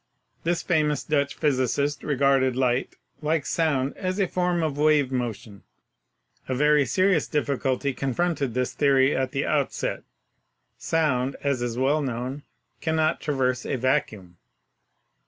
This famous' Dutch physicist regarded light, like sound, as a form of Fig. 12 — Bell Cannot be Heard in Vacuum. wave motion. A very serious difficulty confronted this theory at the outset. Sound, as is well known, cannot traverse a vacuum.